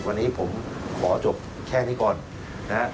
วันนี้ผมขอจบแค่นี้ก่อนนะฮะ